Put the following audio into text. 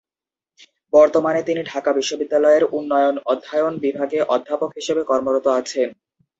বর্তমানে তিনি ঢাকা বিশ্ববিদ্যালয়ের উন্নয়ন অধ্যয়ন বিভাগে অধ্যাপক হিসেবে কর্মরত আছেন।